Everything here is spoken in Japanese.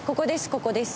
ここです。